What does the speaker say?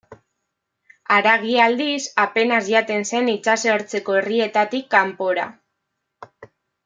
Haragia, aldiz, apenas jaten zen itsasertzeko herrietatik kanpora.